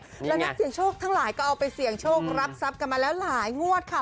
แล้วนักเสี่ยงโชคทั้งหลายก็เอาไปเสี่ยงโชครับทรัพย์กันมาแล้วหลายงวดค่ะ